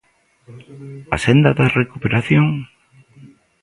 ¿A senda da recuperación?